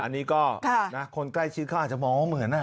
อันนี้ก็คนใกล้ชื่อข้าจะมองเหมือนน่ะ